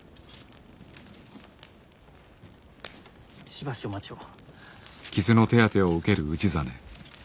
しばしお待ちを。